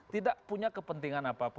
tidak punya kepentingan apapun